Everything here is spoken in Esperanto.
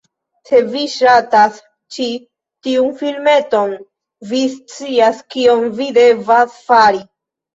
Se vi ŝatas ĉi tiun filmeton, vi scias kion vi devas fari: